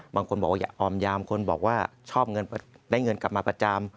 บางคนบอกว่าอย่าออมยามคนบอกว่าชอบเงินได้เงินกลับมาประจำ